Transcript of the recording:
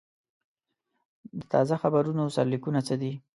د تازه خبرونو سرلیکونه څه دي؟